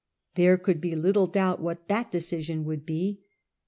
There could be little doubt i(£? °^* what that decision would be.